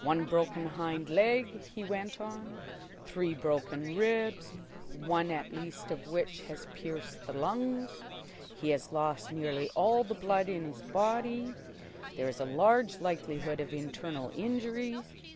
"One broken hind leg," he went on. "Three broken ribs, one at least of which has pierced the lungs. He has lost nearly all the blood in his body. There is a large likelihood of internal injuries.